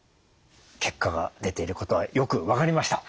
結果が出ていることはよく分かりました。